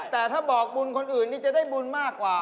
แต่ถ้าบอกบุญคนอื่นนี่จะได้บุญมากกว่า